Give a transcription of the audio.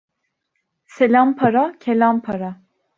Selam para, kelam para.